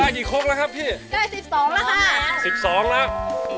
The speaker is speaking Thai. ได้กี่ครบล่ะครับพี่ได้สิบสองล่ะครับสิบสองล่ะครับ